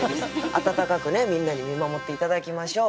温かくねみんなに見守って頂きましょう。